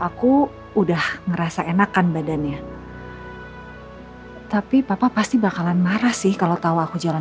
aku udah ngerasa enakan badannya tapi papa pasti bakalan marah sih kalau tahu aku jangan